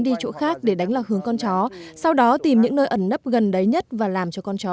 đi chỗ khác để đánh lạc hướng con chó sau đó tìm những nơi ẩn nấp gần đấy nhất và làm cho con chó